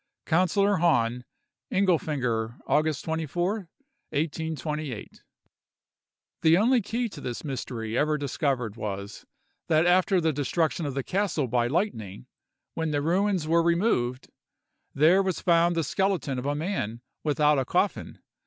"'COUNCILLOR HAHN. "'INGELFINGER, August 24, 1828.'" The only key to this mystery ever discovered was, that after the destruction of the castle by lightning, when the ruins were removed, there was found the skeleton of a man without a coffin.